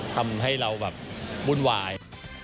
ทำให้เราบูนวาย